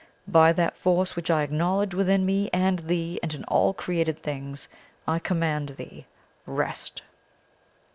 By that Force which I acknowledge within me and thee and in all created things, I command thee, REST!'